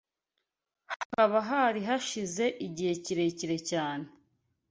hakaba hari hashize igihe kirekire cyane